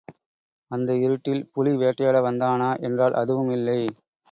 அந்த இருட்டில் புலி வேட்டையாட வந்தானா என்றால் அதுவும் இல்லை.